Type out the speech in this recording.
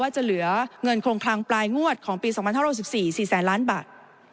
จะเหลือเงินโครงคลังปลายงวดของปี๒๕๖๔๔แสนล้านบาท